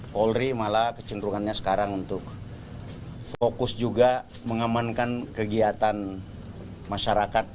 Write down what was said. polri malah kecenderungannya sekarang untuk fokus juga mengamankan kegiatan masyarakat